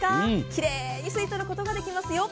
奇麗に吸い取ることができますよ。